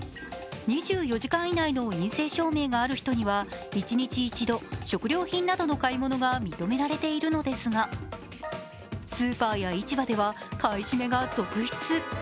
２４時間以内の陰性証明がある人には１日一度、食料品などの買い物が認められているのですが、スーパーや市場では買い占めが続出。